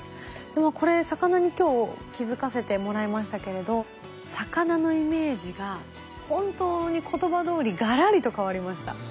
でもこれ魚に今日気付かせてもらいましたけれど魚のイメージが本当に言葉どおりガラリと変わりました。